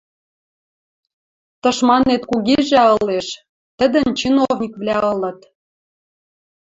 Тышманет кугижӓ ылеш, тӹдӹн чиновниквлӓ ылыт...